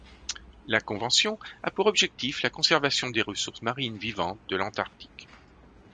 La convention a pour objectif la conservation des ressources marines vivantes de l'Antarctique.